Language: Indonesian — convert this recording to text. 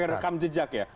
oke rekam jejak ya